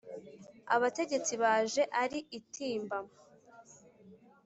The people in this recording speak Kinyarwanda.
abategetsi baje ari itimba